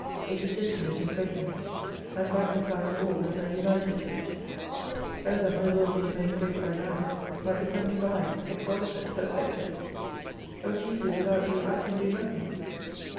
It is infinite in great ness and magnifieth all that are united to it. Oh that my will being made great by Thine, might become divine, exalted, perfected ! O Jesu, without Thee I can do nothing.